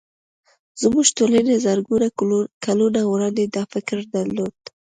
زموږ ټولنې زرګونه کلونه وړاندې دا فکر درلود